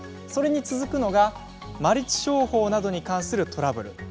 それに続くのが「マルチ商法などに関するトラブル」。